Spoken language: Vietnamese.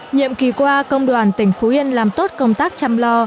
nhiệm kỳ qua công đoàn tỉnh phú yên làm tốt công tác chăm lo